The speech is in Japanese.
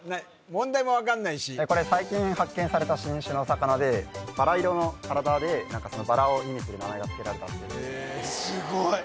問題も分かんないしこれ最近発見された新種の魚でバラ色の体でバラを意味する名前が付けられたっていうすごい！